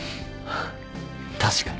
確かに